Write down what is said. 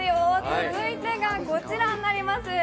続いてが、こちらになります。